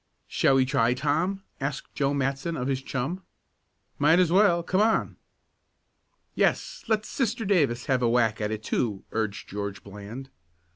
"Shall we try, Tom?" asked Joe Matson of his chum. "Might as well. Come on!" "Yes, let 'Sister' Davis have a whack at it too," urged George Bland.